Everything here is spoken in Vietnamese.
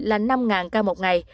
là năm ca một ngày